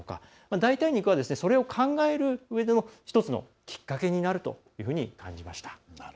代替肉はそれを考えるうえでの１つのきっかけになるというふうに感じました。